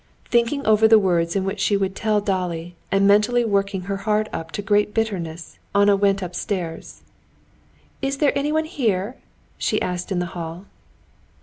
Thinking over the words in which she would tell Dolly, and mentally working her heart up to great bitterness, Anna went upstairs. "Is there anyone with her?" she asked in the hall.